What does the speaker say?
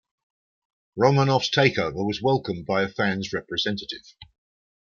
Romanov's takeover was welcomed by a fans representative.